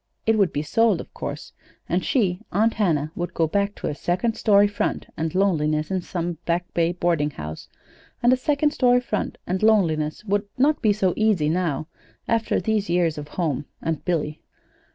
It would be sold, of course; and she, Aunt Hannah, would go back to a "second story front" and loneliness in some Back Bay boarding house; and a second story front and loneliness would not be easy now, after these years of home and Billy.